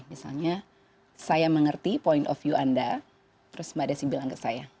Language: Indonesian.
misalnya saya mengerti point of view anda terus mbak desi bilang ke saya